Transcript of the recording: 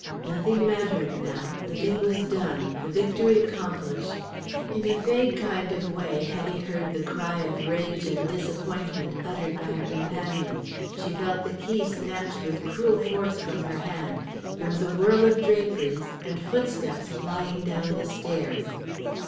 Nothing mattered now, the thing was done, the victory accomplished. In a vague kind of way Hetty heard the cry of rage and disappointment uttered by her companion, she felt the key snatched with cruel force from her hand, there was a whirl of draperies and footsteps flying down the stairs.